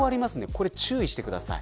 これ注意してください。